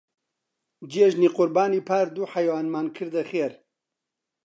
جێژنی قوربانی پار دوو حەیوانمان کردنە خێر.